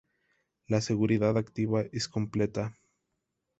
La seguridad activa es completa.